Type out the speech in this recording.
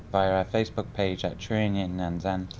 via our facebook page at truyền hình nhân dân